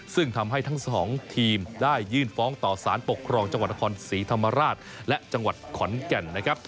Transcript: ซึ่งทำให้ทั้งสองทีมได้ยื่นฟ้องต่อสารปกครองจังหวัดนครศรีธรรมราชและจังหวัดขอนแก่นนะครับ